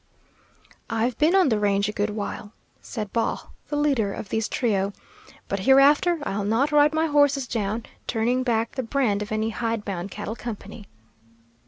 "I've been on the range a good while," said Baugh, the leader of this trio, "but hereafter I'll not ride my horses down, turning back the brand of any hidebound cattle company."